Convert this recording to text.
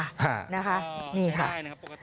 ใช้ได้นะครับปกติดีนะครับ